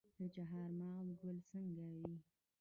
د چهارمغز ګل څنګه وي؟